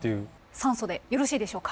酸素でよろしいでしょうか？